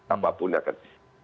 apapun ya kan